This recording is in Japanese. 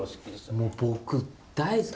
もう僕大好き！